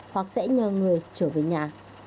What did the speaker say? hoặc sẽ nhờ người trở về nhà